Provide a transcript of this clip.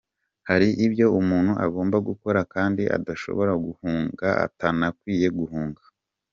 Hari ibyo umuntu agomba gukora kandi adashobora guhunga atanakwiye guhunga.